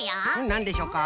なんでしょうか？